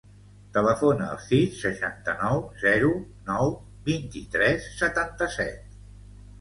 Telefona al sis, seixanta-nou, zero, nou, vint-i-tres, setanta-set.